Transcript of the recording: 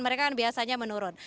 mereka biasanya menurun